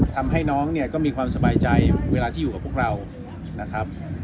ทำให้น้องเนี่ยก็มีความสบายใจเวลาที่อยู่กับพวกเรานะครับ